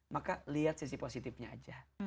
maka lihat sisi positifnya aja